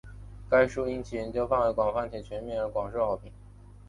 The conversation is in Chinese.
该书因其研究范围广泛且全面而广受好评。